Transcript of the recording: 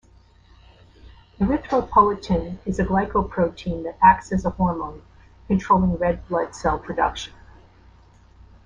Erythropoietin is a glycoprotein that acts as a hormone, controlling red blood cell production.